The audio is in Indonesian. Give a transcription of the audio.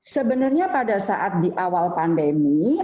sebenarnya pada saat di awal pandemi